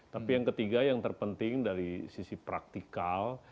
tapi yang ketiga yang terpenting dari sisi praktikal